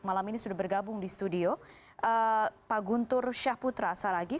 malam ini sudah bergabung di studio pak guntur syahputra saragi